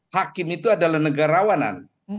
hakim itu adalah negarawanan